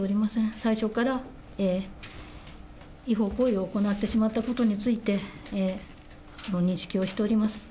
最初から、違法行為を行ってしまったことについて、認識をしております。